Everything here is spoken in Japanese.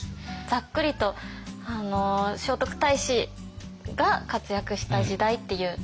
ざっくりと聖徳太子が活躍した時代っていうイメージですかね。